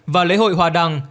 và lễ hội hòa đăng